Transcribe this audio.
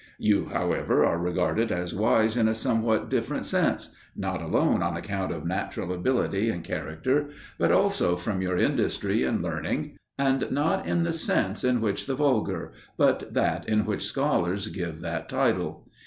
You, however, are regarded as wise in a somewhat different sense not alone on account of natural ability and character, but also from your industry and learning; and not in the sense in which the vulgar, but that in which scholars, give that title.